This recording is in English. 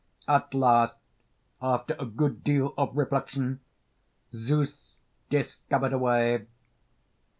At last, after a good deal of reflection, Zeus discovered a way.